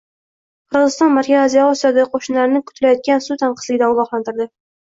Qirg‘iziston Markaziy Osiyodagi qo‘shnilarini kutilayotgan suv tanqisligidan ogohlantirdi